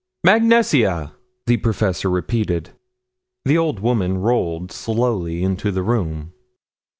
"Mag Nesia!" the professor repeated. The old woman rolled slowly into the room.